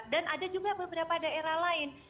dan ada juga beberapa daerah lain